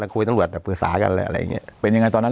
แล้วคุยตำรวจอ่ะปริศาลกันแล้วอะไรอย่างเงี้ยเป็นยังไงตอนนั้น